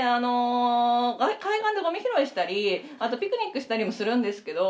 海岸でゴミ拾いしたりあとピクニックしたりもするんですけど。